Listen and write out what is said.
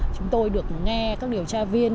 chúng tôi được nghe các điều tra viên